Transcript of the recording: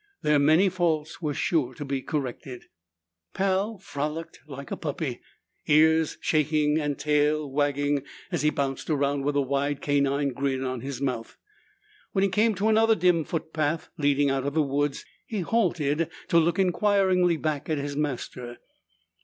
Their many faults were sure to be corrected. Pal frolicked like a puppy, ears shaking and tail wagging as he bounced around with a wide canine grin on his mouth. When he came to another dim foot path leading out of the woods, he halted to look inquiringly back at his master.